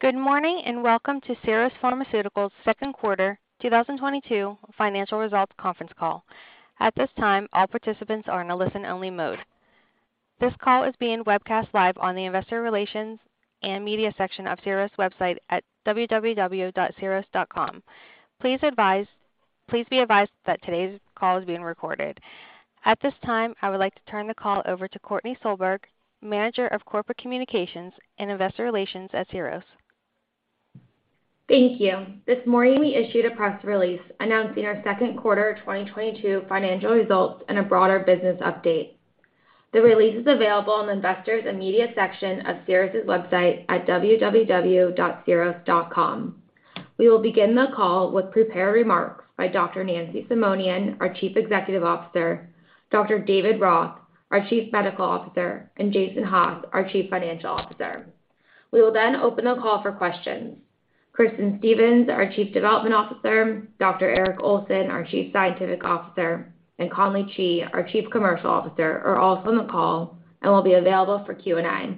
Good morning, and welcome to Syros Pharmaceuticals Second Quarter 2022 Financial Results Conference Call. At this time, all participants are in a listen-only mode. This call is being webcast live on the Investor Relations and Media section of Syros' website at www.syros.com. Please be advised that today's call is being recorded. At this time, I would like to turn the call over to Courtney Solberg, Manager of Corporate Communications and Investor Relations at Syros. Thank you. This morning, we issued a press release announcing our second quarter 2022 financial results and a broader business update. The release is available on the Investors and Media section of Syros' website at www.syros.com. We will begin the call with prepared remarks by Dr. Nancy Simonian, our Chief Executive Officer, Dr. David Roth, our Chief Medical Officer, and Jason Haas, our Chief Financial Officer. We will then open the call for questions. Kristin Stephens, our Chief Development Officer, Dr. Eric Olson, our Chief Scientific Officer, and Conley Chee, our Chief Commercial Officer, are also on the call and will be available for Q&A.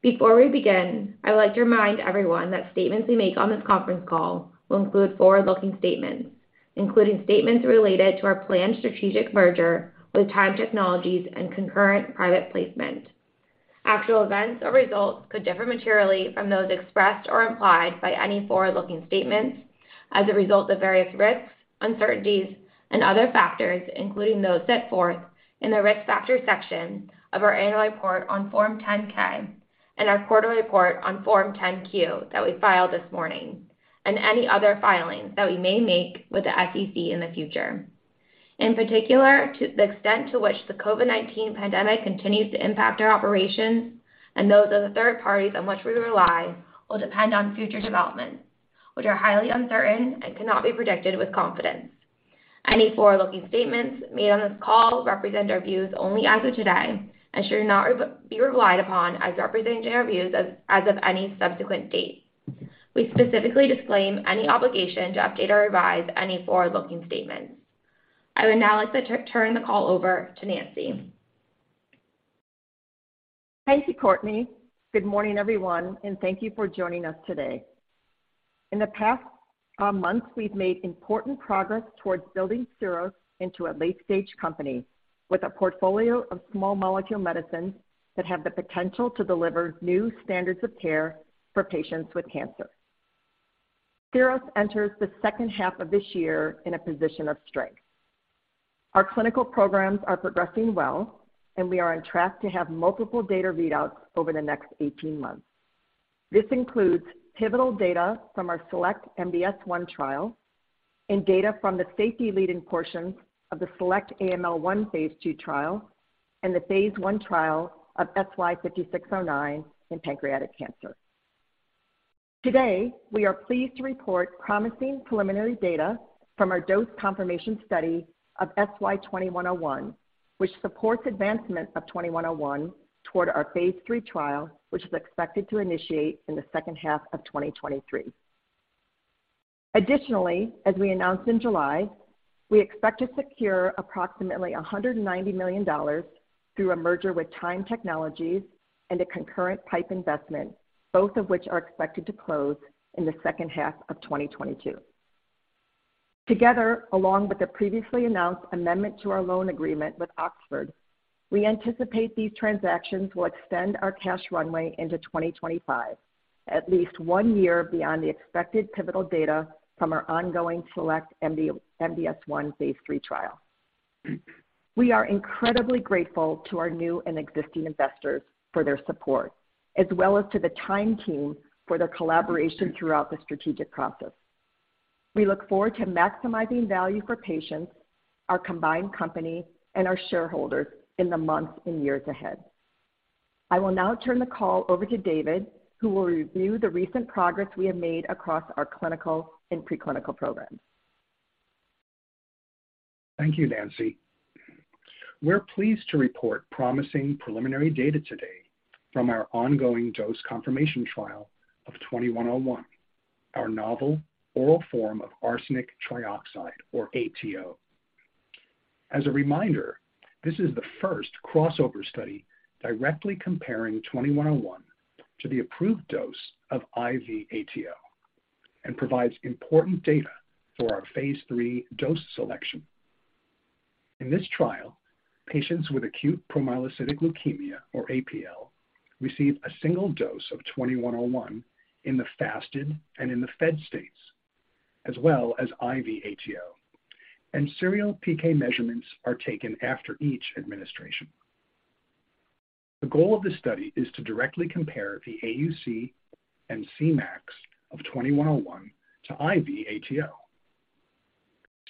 Before we begin, I would like to remind everyone that statements we make on this conference call will include forward-looking statements, including statements related to our planned strategic merger with Tyme Technologies and concurrent private placement. Actual events or results could differ materially from those expressed or implied by any forward-looking statements as a result of various risks, uncertainties, and other factors, including those set forth in the Risk Factors section of our annual report on Form 10-K and our quarterly report on Form 10-Q that we filed this morning, and any other filings that we may make with the SEC in the future. In particular, to the extent to which the COVID-19 pandemic continues to impact our operations and those of the third parties on which we rely will depend on future developments, which are highly uncertain and cannot be predicted with confidence. Any forward-looking statements made on this call represent our views only as of today and should not be relied upon as representing our views as of any subsequent date. We specifically disclaim any obligation to update or revise any forward-looking statements. I would now like to turn the call over to Nancy. Thank you, Courtney. Good morning, everyone, and thank you for joining us today. In the past months, we've made important progress towards building Syros into a late-stage company with a portfolio of small molecule medicines that have the potential to deliver new standards of care for patients with cancer. Syros enters the second half of this year in a position of strength. Our clinical programs are progressing well, and we are on track to have multiple data readouts over the next 18 months. This includes pivotal data from our SELECT-MDS-1 trial and data from the safety lead-in portions of the SELECT-AML-1 phase II trial and the phase I trial of SY-5609 in pancreatic cancer. Today, we are pleased to report promising preliminary data from our dose confirmation study of SY-2101, which supports advancement of SY-2101 toward our phase III trial, which is expected to initiate in the second half of 2023. Additionally, as we announced in July, we expect to secure approximately $190 million through a merger with Tyme Technologies and a concurrent PIPE investment, both of which are expected to close in the second half of 2022. Together, along with the previously announced amendment to our loan agreement with Oxford, we anticipate these transactions will extend our cash runway into 2025, at least 1 year beyond the expected pivotal data from our ongoing SELECT-MDS-1 phase III trial. We are incredibly grateful to our new and existing investors for their support, as well as to the Tyme team for their collaboration throughout the strategic process. We look forward to maximizing value for patients, our combined company, and our shareholders in the months and years ahead. I will now turn the call over to David, who will review the recent progress we have made across our clinical and pre-clinical programs. Thank you, Nancy. We're pleased to report promising preliminary data today from our ongoing dose confirmation trial of SY-2101, our novel oral form of arsenic trioxide or ATO. As a reminder, this is the first crossover study directly comparing SY-2101 to the approved dose of IV ATO and provides important data for our phase III dose selection. In this trial, patients with acute promyelocytic leukemia or APL receive a single dose of SY-2101 in the fasted and in the fed states, as well as IV ATO, and serial PK measurements are taken after each administration. The goal of this study is to directly compare the AUC and Cmax of SY-2101 to IV ATO.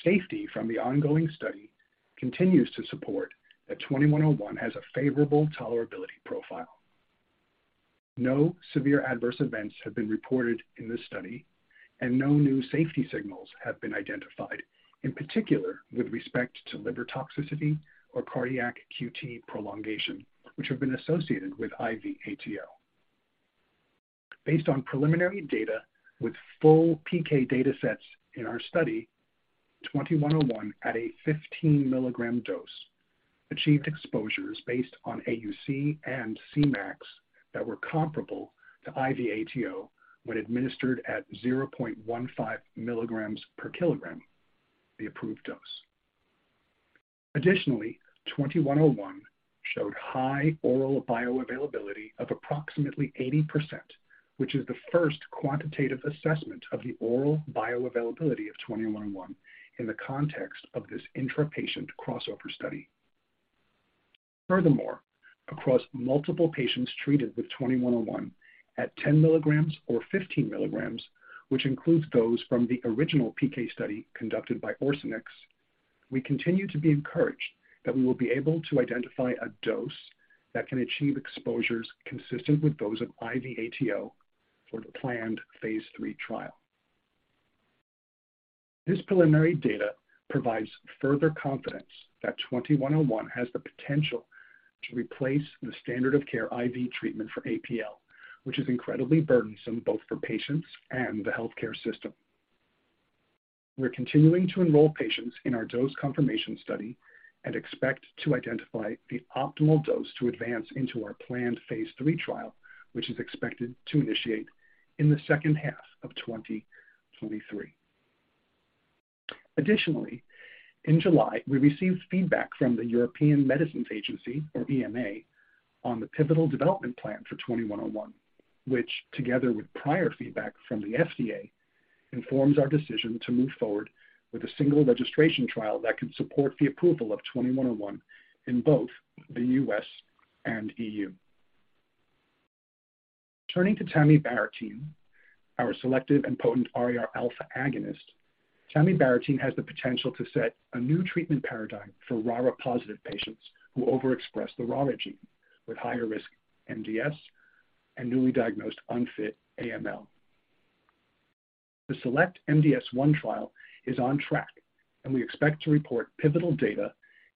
Safety from the ongoing study continues to support that SY-2101 has a favorable tolerability profile. No severe adverse events have been reported in this study, and no new safety signals have been identified, in particular with respect to liver toxicity or cardiac QT prolongation, which have been associated with IV ATO. Based on preliminary data with full PK datasets in our study, SY-2101 at a 15 mg dose achieved exposures based on AUC and Cmax that were comparable to IV ATO when administered at 0.15 mg/kg, the approved dose. Additionally, SY-2101 showed high oral bioavailability of approximately 80%, which is the first quantitative assessment of the oral bioavailability of SY-2101 in the context of this intra-patient crossover study. Furthermore, across multiple patients treated with 2101 at 10 mg or 15 mg, which includes those from the original PK study conducted by Orsenix, we continue to be encouraged that we will be able to identify a dose that can achieve exposures consistent with those of IV ATO for the planned phase III trial. This preliminary data provides further confidence that 2101 has the potential to replace the standard of care IV treatment for APL, which is incredibly burdensome both for patients and the healthcare system. We're continuing to enroll patients in our dose confirmation study and expect to identify the optimal dose to advance into our planned phase III trial, which is expected to initiate in the second half of 2023. Additionally, in July, we received feedback from the European Medicines Agency, or EMA, on the pivotal development plan for 2101, which together with prior feedback from the FDA, informs our decision to move forward with a single registration trial that can support the approval of 2101 in both the U.S. and EU. Turning to tamibarotene, our selective and potent RAR alpha agonist. Tamibarotene has the potential to set a new treatment paradigm for RARA-positive patients who overexpress the RARA gene with higher risk MDS and newly diagnosed unfit AML. The SELECT-MDS-1 trial is on track, and we expect to report pivotal data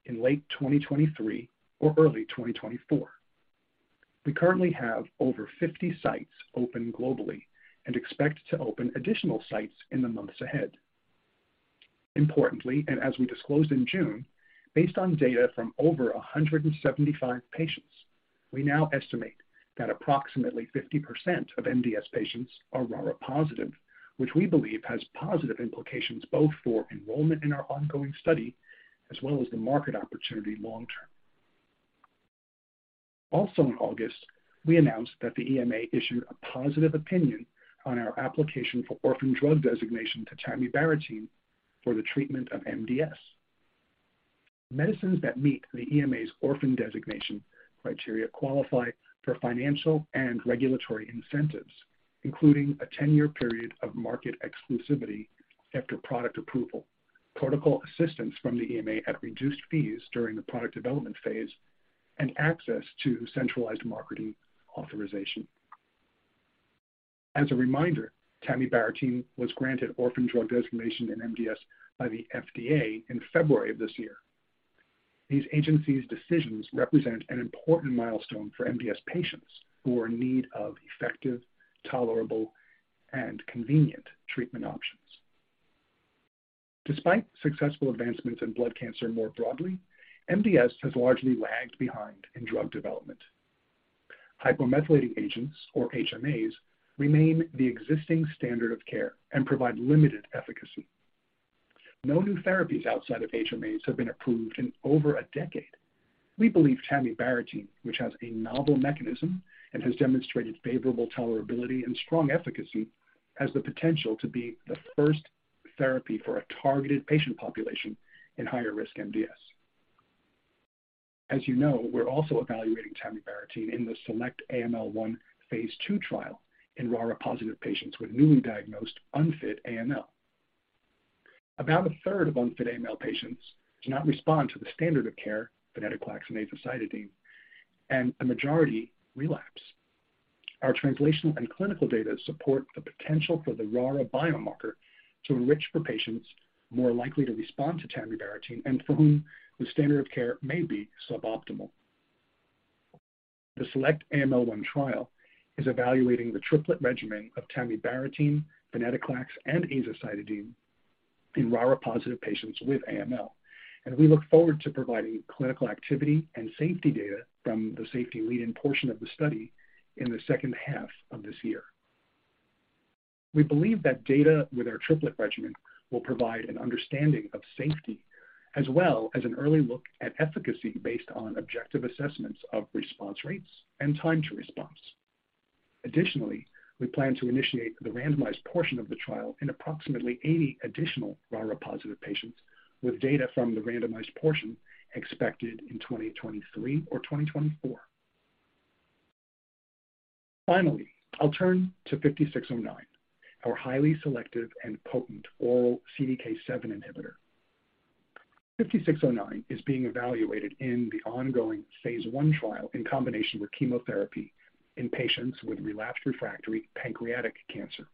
in late 2023 or early 2024. We currently have over 50 sites open globally and expect to open additional sites in the months ahead. Importantly, as we disclosed in June, based on data from over 175 patients, we now estimate that approximately 50% of MDS patients are RARA positive, which we believe has positive implications both for enrollment in our ongoing study as well as the market opportunity long term. Also in August, we announced that the EMA issued a positive opinion on our application for orphan drug designation to tamibarotene for the treatment of MDS. Medicines that meet the EMA's orphan designation criteria qualify for financial and regulatory incentives, including a 10-year period of market exclusivity after product approval, protocol assistance from the EMA at reduced fees during the product development phase, and access to centralized marketing authorization. As a reminder, tamibarotene was granted orphan drug designation in MDS by the FDA in February of this year. These agencies' decisions represent an important milestone for MDS patients who are in need of effective, tolerable, and convenient treatment options. Despite successful advancements in blood cancer more broadly, MDS has largely lagged behind in drug development. Hypomethylating agents, or HMAs, remain the existing standard of care and provide limited efficacy. No new therapies outside of HMAs have been approved in over a decade. We believe tamibarotene, which has a novel mechanism and has demonstrated favorable tolerability and strong efficacy, has the potential to be the first therapy for a targeted patient population in higher-risk MDS. As you know, we're also evaluating tamibarotene in the SELECT-AML-1, phase II trial in RARA-positive patients with newly diagnosed unfit AML. About a third of unfit AML patients do not respond to the standard of care, venetoclax and azacitidine, and a majority relapse. Our translational and clinical data support the potential for the RARA biomarker to enrich for patients more likely to respond to tamibarotene and for whom the standard of care may be suboptimal. The SELECT-AML-1 trial is evaluating the triplet regimen of tamibarotene, venetoclax, and azacitidine in RARA-positive patients with AML, and we look forward to providing clinical activity and safety data from the safety lead-in portion of the study in the second half of this year. We believe that data with our triplet regimen will provide an understanding of safety as well as an early look at efficacy based on objective assessments of response rates and time to response. Additionally, we plan to initiate the randomized portion of the trial in approximately 80 additional RARA-positive patients with data from the randomized portion expected in 2023 or 2024. Finally, I'll turn to SY-5609, our highly selective and potent oral CDK7 inhibitor. SY-5609 is being evaluated in the ongoing phase I trial in combination with chemotherapy in patients with relapsed refractory pancreatic cancer.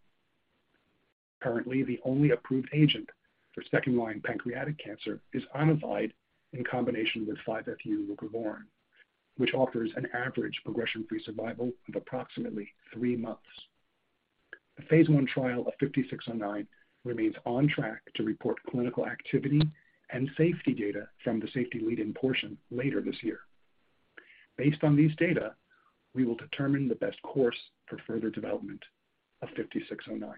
Currently, the only approved agent for second-line pancreatic cancer is ONIVYDE in combination with five-FU leucovorin, which offers an average progression-free survival of approximately three months. The phase I trial of SY-5609 remains on track to report clinical activity and safety data from the safety lead-in portion later this year. Based on these data, we will determine the best course for further development of SY-5609.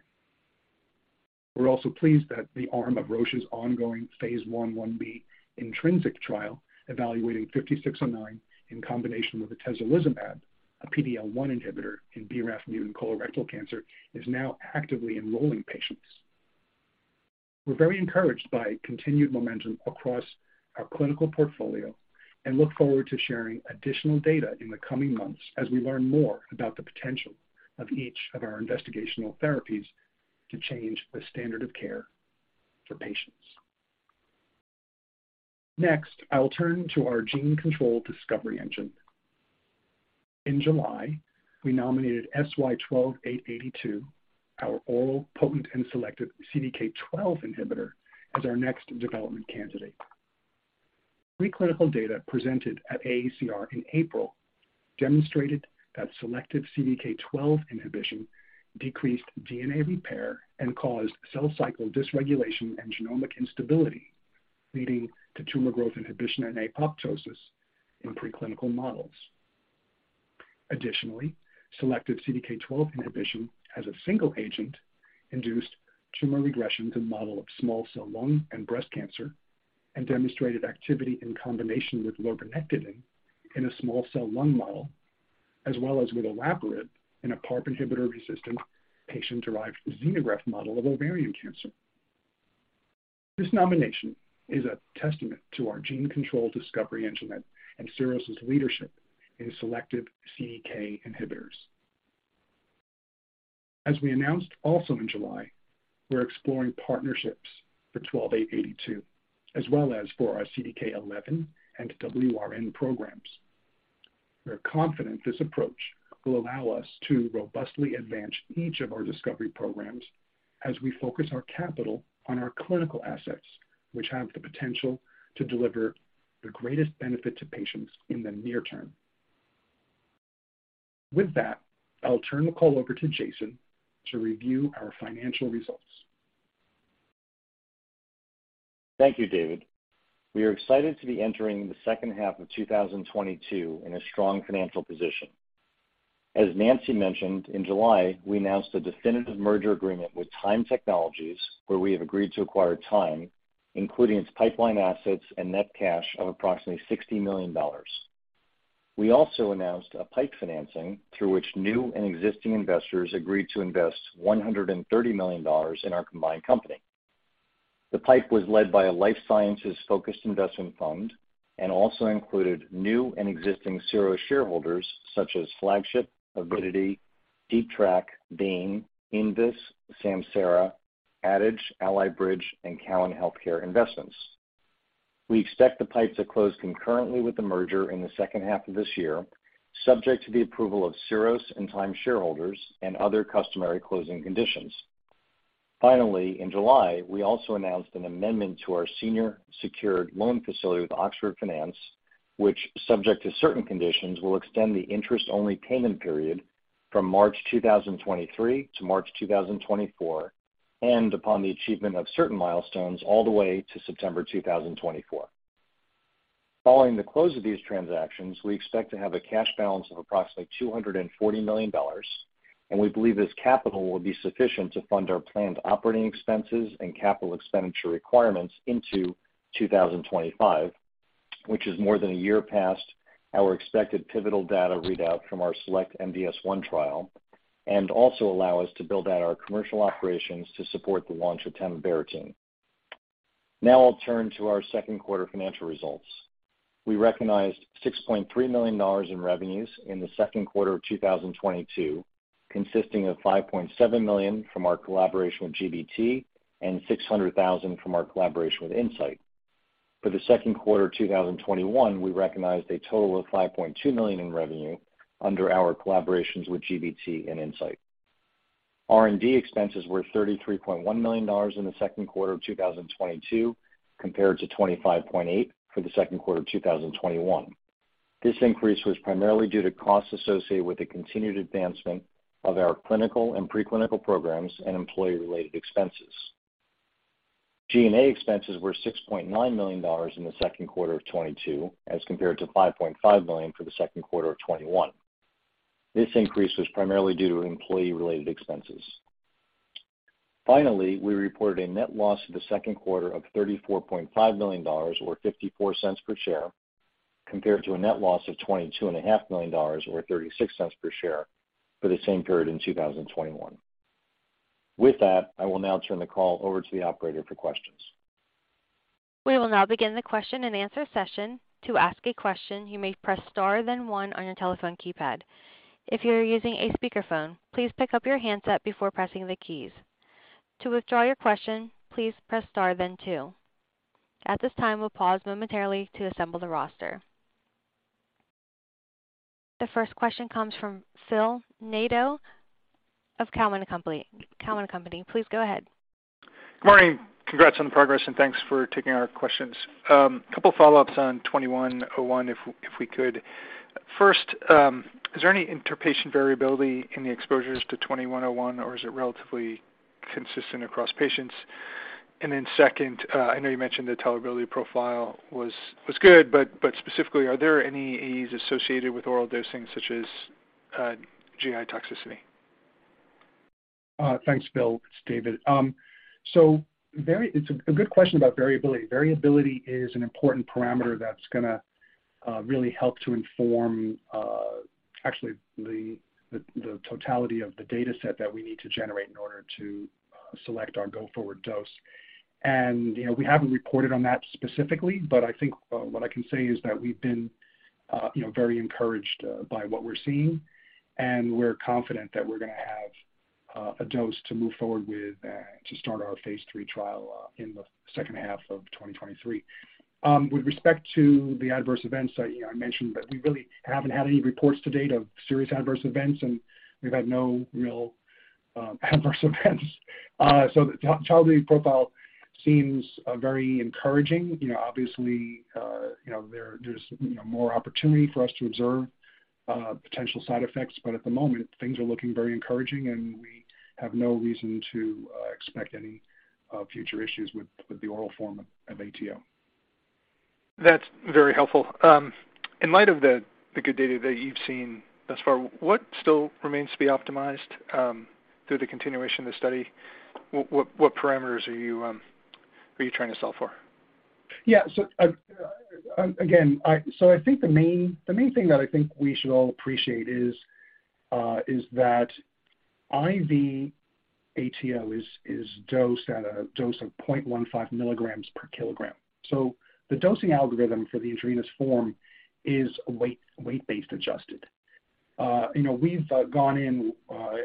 We're also pleased that the arm of Roche's ongoing phase I/I-B INTRINSIC trial evaluating SY-5609 in combination with atezolizumab, a PD-L1 inhibitor in BRAF mutant colorectal cancer, is now actively enrolling patients. We're very encouraged by continued momentum across our clinical portfolio and look forward to sharing additional data in the coming months as we learn more about the potential of each of our investigational therapies to change the standard of care for patients. Next, I will turn to our gene control discovery engine. In July, we nominated SY-12882, our oral potent and selective CDK12 inhibitor, as our next development candidate. Preclinical data presented at AACR in April demonstrated that selective CDK12 inhibition decreased DNA repair and caused cell cycle dysregulation and genomic instability, leading to tumor growth inhibition and apoptosis in preclinical models. Additionally, selective CDK12 inhibition as a single agent induced tumor regression in models of small cell lung and breast cancer, and demonstrated activity in combination with lorlatinib in a small cell lung model, as well as with olaparib in a PARP inhibitor-resistant patient-derived xenograft model of ovarian cancer. This nomination is a testament to our gene control discovery engine and Syros' leadership in selective CDK inhibitors. As we announced also in July, we're exploring partnerships for SY-12882, as well as for our CDK11 and WRN programs. We are confident this approach will allow us to robustly advance each of our discovery programs as we focus our capital on our clinical assets, which have the potential to deliver the greatest benefit to patients in the near term. With that, I'll turn the call over to Jason to review our financial results. Thank you, David. We are excited to be entering the second half of 2022 in a strong financial position. As Nancy mentioned, in July, we announced a definitive merger agreement with Tyme Technologies, where we have agreed to acquire Tyme, including its pipeline assets and net cash of approximately $60 million. We also announced a pipe financing through which new and existing investors agreed to invest $130 million in our combined company. The pipe was led by a life sciences-focused investment fund and also included new and existing Syros shareholders such as Flagship, Avidity, Deep Track, Bain, Invus, Samsara, Adage Capital Partners LP, Ally Bridge, and Cowen Healthcare Investments. We expect the pipes to close concurrently with the merger in the second half of this year, subject to the approval of Syros and Tyme shareholders and other customary closing conditions. Finally, in July, we also announced an amendment to our senior secured loan facility with Oxford Finance, which, subject to certain conditions, will extend the interest-only payment period from March 2023 to March 2024, and upon the achievement of certain milestones all the way to September 2024. Following the close of these transactions, we expect to have a cash balance of approximately $240 million, and we believe this capital will be sufficient to fund our planned operating expenses and capital expenditure requirements into 2025, which is more than a year past our expected pivotal data readout from our SELECT-MDS-1 trial and also allow us to build out our commercial operations to support the launch of tamibarotene. Now I'll turn to our second quarter financial results. We recognized $6.3 million in revenues in the second quarter of 2022, consisting of $5.7 million from our collaboration with GBT and $600,000 from our collaboration with Incyte. For the second quarter 2021, we recognized a total of $5.2 million in revenue under our collaborations with GBT and Incyte. R&D expenses were $33.1 million in the second quarter of 2022, compared to $25.8 million for the second quarter of 2021. This increase was primarily due to costs associated with the continued advancement of our clinical and preclinical programs and employee-related expenses. G&A expenses were $6.9 million in the second quarter of 2022, as compared to $5.5 million for the second quarter of 2021. This increase was primarily due to employee-related expenses. Finally, we reported a net loss in the second quarter of $34.5 million, or $0.54 per share, compared to a net loss of $22.5 million, or $0.36 per share for the same period in 2021. With that, I will now turn the call over to the Operator for questions. We will now begin the question-and-answer session. To ask a question, you may press star then one on your telephone keypad. If you are using a speakerphone, please pick up your handset before pressing the keys. To withdraw your question, please press star then two. At this time, we'll pause momentarily to assemble the roster. The first question comes from Phil Nadeau of Cowen and Company. Please go ahead. Good morning. Congrats on the progress and thanks for taking our questions. Couple follow-ups on 2101 if we could. First, is there any interpatient variability in the exposures to 2101 or is it relatively consistent across patients? Second, I know you mentioned the tolerability profile was good, but specifically, are there any AEs associated with oral dosing such as GI toxicity? Thanks, Phil. It's David. It's a good question about variability. Variability is an important parameter that's going to really help to inform actually the totality of the data set that we need to generate in order to select our go forward dose. You know, we haven't reported on that specifically, but I think what I can say is that we've been you know very encouraged by what we're seeing, and we're confident that we're going to have a dose to move forward with to start our phase III trial in the second half of 2023. With respect to the adverse events, you know, I mentioned that we really haven't had any reports to date of serious adverse events, and we've had no real adverse events. The tolerability profile seems very encouraging. You know, obviously, you know, there's more opportunity for us to observe potential side effects, but at the moment things are looking very encouraging, and we have no reason to expect any future issues with the oral form of ATO. That's very helpful. In light of the good data that you've seen thus far, what still remains to be optimized through the continuation of the study? What parameters are you trying to solve for? Yeah. Again, I think the main thing that I think we should all appreciate is that IV ATO is dosed at a dose of 0.15 mg/kg. The dosing algorithm for the intravenous form is weight-based adjusted. You know, we've gone in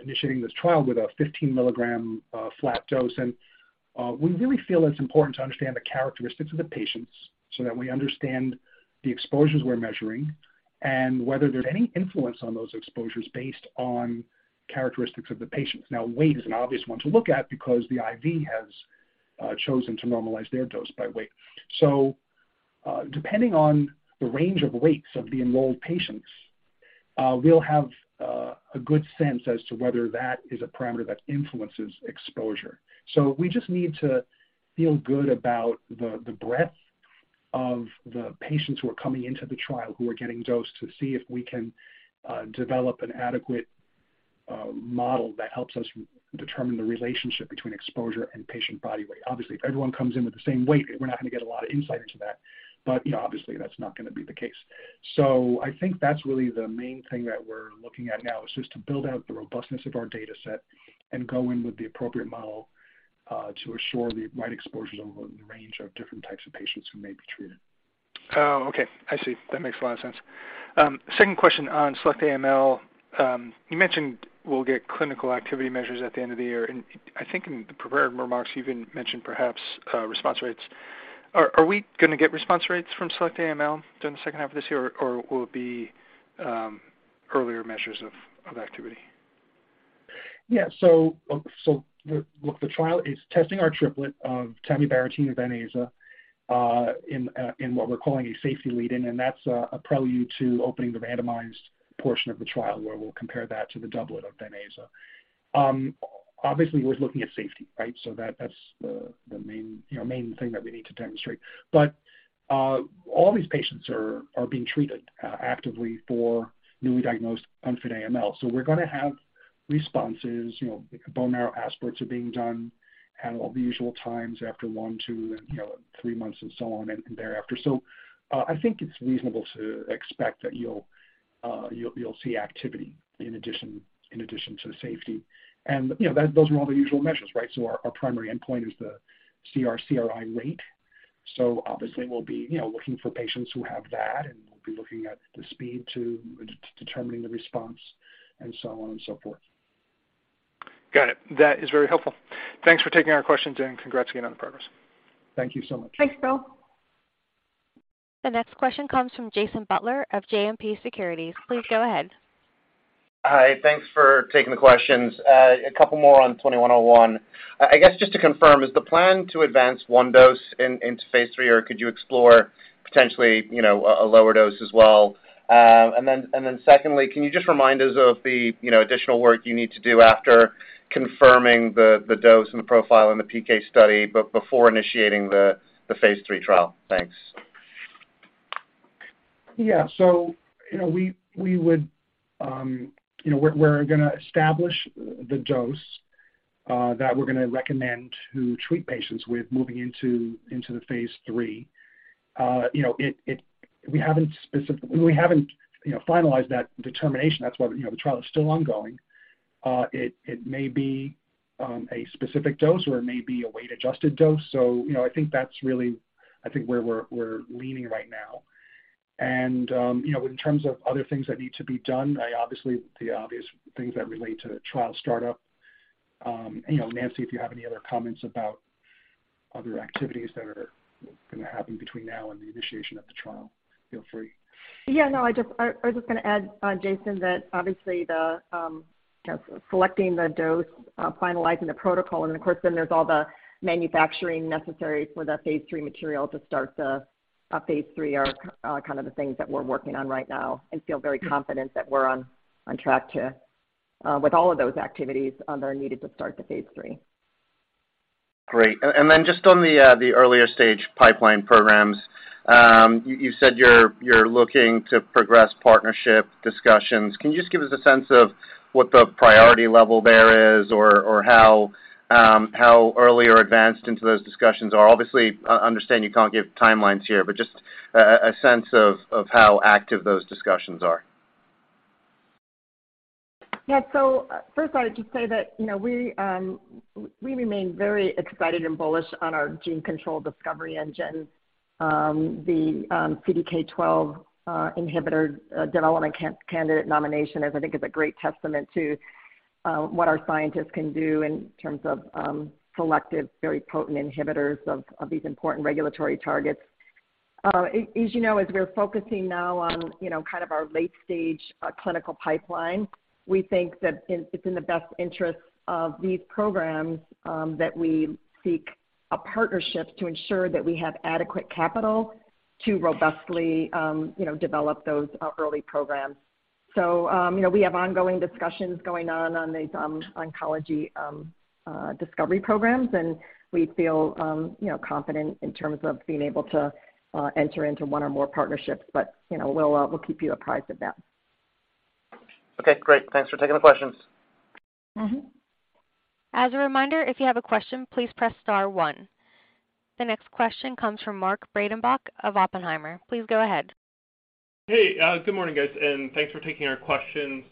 initiating this trial with a 15 mg flat dose and we really feel it's important to understand the characteristics of the patients so that we understand the exposures we're measuring and whether there's any influence on those exposures based on characteristics of the patients. Now, weight is an obvious one to look at because the IV has chosen to normalize their dose by weight. Depending on the range of weights of the enrolled patients, we'll have a good sense as to whether that is a parameter that influences exposure. We just need to feel good about the breadth of the patients who are coming into the trial, who are getting dosed to see if we can develop an adequate model that helps us determine the relationship between exposure and patient body weight. Obviously, if everyone comes in with the same weight, we're not going to get a lot of insight into that. You know, obviously that's not going to be the case. I think that's really the main thing that we're looking at now is just to build out the robustness of our data set and go in with the appropriate model, to assure the right exposures over the range of different types of patients who may be treated. Oh, okay. I see. That makes a lot of sense. Second question on SELECT-AML. You mentioned we'll get clinical activity measures at the end of the year. I think in the prepared remarks you even mentioned perhaps, response rates. Are we going to get response rates from SELECT-AML during the second half of this year or will it be, earlier measures of activity? Yeah. The trial is testing our triplet of tamibarotene, venetoclax, and azacitidine in what we're calling a safety lead-in, and that's a prelude to opening the randomized portion of the trial where we'll compare that to the doublet of venetoclax and azacitidine. Obviously we're looking at safety, right? That's the main, you know, main thing that we need to demonstrate. All these patients are being treated actively for newly diagnosed unfit AML. We're going to have responses. You know, bone marrow aspirates are being done at all the usual times after one, two, and, you know, three months and so on and thereafter. I think it's reasonable to expect that you'll see activity in addition to the safety. You know, that, those are all the usual measures, right? Our primary endpoint is the CR/CRi rate. Obviously we'll be, you know, looking for patients who have that, and we'll be looking at the speed to determining the response and so on and so forth. Got it. That is very helpful. Thanks for taking our questions, and congrats again on the progress. Thank you so much. Thanks, Phil. The next question comes from Jason Butler of JMP Securities. Please go ahead. Hi. Thanks for taking the questions. A couple more on SY-2101. I guess just to confirm, is the plan to advance one dose into phase III, or could you explore potentially, you know, a lower dose as well? Then secondly, can you just remind us of the, you know, additional work you need to do after confirming the dose and the profile in the PK study but before initiating the phase III trial? Thanks. Yeah. You know, we're going to establish the dose that we're going to recommend to treat patients with moving into phase III. You know, we haven't finalized that determination. That's why, you know, the trial is still ongoing. It may be a specific dose or it may be a weight-adjusted dose. You know, I think that's really where we're leaning right now. You know, in terms of other things that need to be done, obviously the obvious things that relate to trial startup. You know, Nancy, if you have any other comments about other activities that are going to happen between now and the initiation of the trial. Feel free. Yeah, no, I just I was just going to add, Jason, that obviously the, you know, selecting the dose, finalizing the protocol and, of course, then there's all the manufacturing necessary for the phase III material to start the, phase III are kind of the things that we're working on right now and feel very confident that we're on track to, with all of those activities, that are needed to start the phase III. Great. Just on the earlier stage pipeline programs, you said you're looking to progress partnership discussions. Can you just give us a sense of what the priority level there is or how early or advanced into those discussions are? Obviously, understand you can't give timelines here, but just a sense of how active those discussions are? Yeah. First I'd just say that, you know, we remain very excited and bullish on our gene control discovery engine. The CDK12 inhibitor development candidate nomination is, I think, a great testament to what our scientists can do in terms of selective, very potent inhibitors of these important regulatory targets. As you know, as we're focusing now on, you know, kind of our late stage clinical pipeline, we think that it's in the best interest of these programs that we seek a partnership to ensure that we have adequate capital to robustly, you know, develop those early programs. You know, we have ongoing discussions going on these oncology discovery programs, and we feel you know, confident in terms of being able to enter into one or more partnerships. You know, we'll keep you apprised of that. Okay, great. Thanks for taking the questions. Mm-hmm. As a reminder, if you have a question, please press star one. The next question comes from Mark Breidenbach of Oppenheimer. Please go ahead. Hey, good morning, guys, and thanks for taking our questions.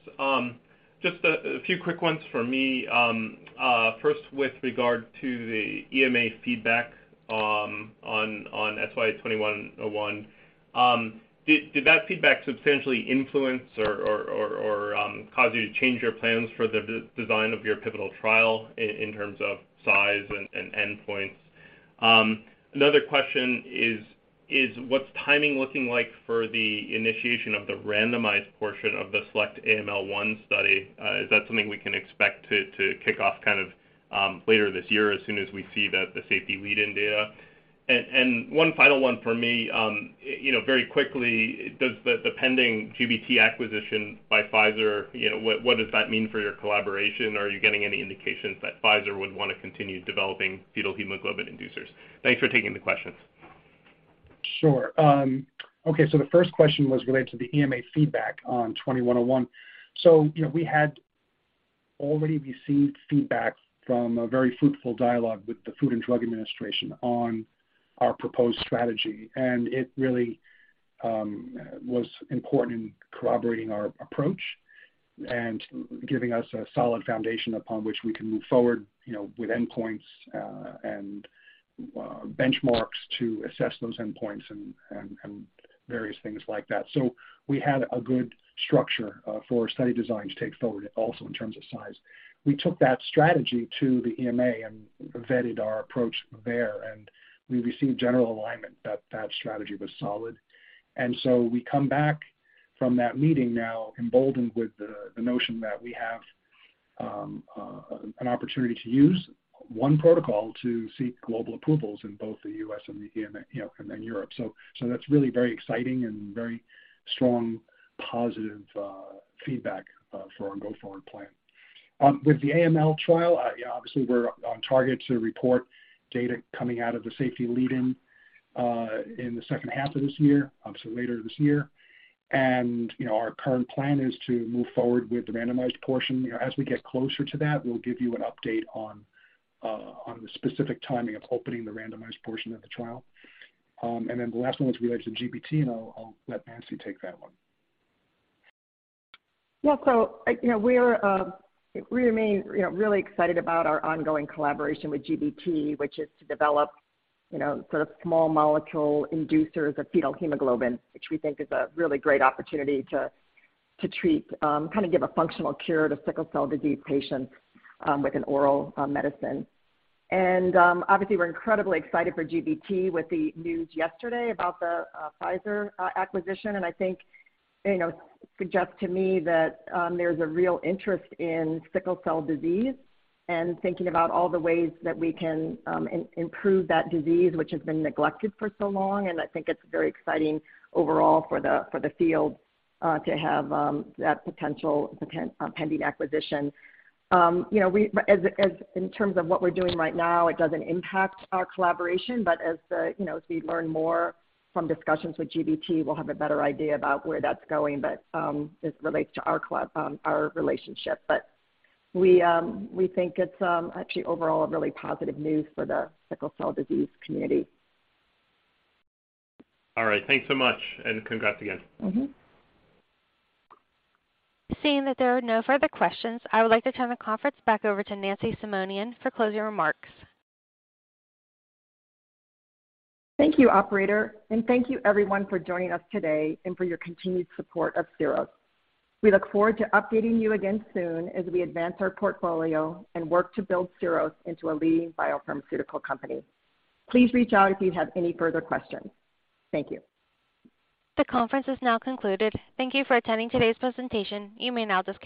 Just a few quick ones for me. First, with regard to the EMA feedback on SY-2101, did that feedback substantially influence or cause you to change your plans for the design of your pivotal trial in terms of size and endpoints? Another question is what's timing looking like for the initiation of the randomized portion of the SELECT-AML-1 study? Is that something we can expect to kick off kind of later this year as soon as we see the safety lead-in data? One final one for me, you know, very quickly, does the pending GBT acquisition by Pfizer, you know, what does that mean for your collaboration? Are you getting any indications that Pfizer would want to continue developing fetal hemoglobin inducers? Thanks for taking the questions. Sure. Okay, the first question was related to the EMA feedback on SY-2101. You know, we had already received feedback from a very fruitful dialogue with the Food and Drug Administration on our proposed strategy, and it really was important in corroborating our approach and giving us a solid foundation upon which we can move forward, you know, with endpoints and benchmarks to assess those endpoints and various things like that. We had a good structure for study design to take forward, also in terms of size. We took that strategy to the EMA and vetted our approach there, and we received general alignment that that strategy was solid. We come back from that meeting now emboldened with the notion that we have an opportunity to use one protocol to seek global approvals in both the U.S. and the EMA, you know, and then Europe. That's really very exciting and very strong positive feedback for our go-forward plan. With the AML trial, yeah, obviously we're on target to report data coming out of the safety lead-in in the second half of this year, obviously later this year. You know, our current plan is to move forward with the randomized portion. You know, as we get closer to that, we'll give you an update on the specific timing of opening the randomized portion of the trial. Then the last one was related to GBT, and I'll let Nancy take that one. Yeah. You know, we remain, you know, really excited about our ongoing collaboration with GBT, which is to develop, you know, sort of small molecule inducers of fetal hemoglobin, which we think is a really great opportunity to treat, kinda give a functional cure to sickle cell disease patients with an oral medicine. Obviously we're incredibly excited for GBT with the news yesterday about the Pfizer acquisition. I think, you know, suggests to me that there's a real interest in sickle cell disease and thinking about all the ways that we can improve that disease which has been neglected for so long. I think it's very exciting overall for the field to have that potential pending acquisition. In terms of what we're doing right now, it doesn't impact our collaboration. As you know, as we learn more from discussions with GBT, we'll have a better idea about where that's going, but as it relates to our collaboration, our relationship. We think it's actually overall a really positive news for the sickle cell disease community. All right. Thanks so much, and congrats again. Mm-hmm. Seeing that there are no further questions, I would like to turn the conference back over to Nancy Simonian for closing remarks. Thank you, Operator, and thank you everyone for joining us today and for your continued support of Syros. We look forward to updating you again soon as we advance our portfolio and work to build Syros into a leading biopharmaceutical company. Please reach out if you have any further questions. Thank you. The conference is now concluded. Thank you for attending today's presentation. You may now disconnect.